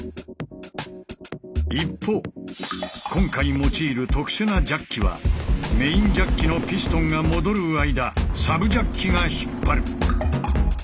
一方今回用いる特殊なジャッキはメインジャッキのピストンが戻る間サブジャッキが引っ張る。